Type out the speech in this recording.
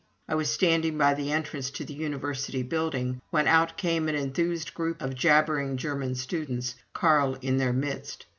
I was standing by the entrance to the University building when out came an enthused group of jabbering German students, Carl in their midst.